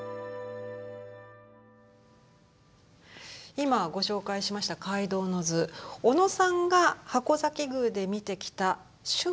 今ご紹介しました「皆働之図」。小野さんが筥崎宮で見てきた春夏の部